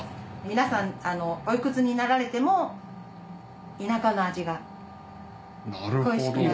皆さんおいくつになられても田舎の味が恋しくなる。